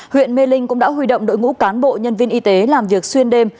huyện mê linh cũng đã huy động đội ngũ cán bộ nhân viên y tế làm việc xuyên đêm